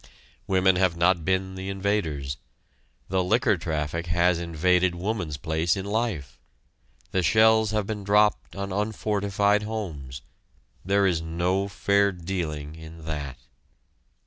Women have not been the invaders. The liquor traffic has invaded woman's place in life. The shells have been dropped on unfortified homes. There is no fair dealing in that.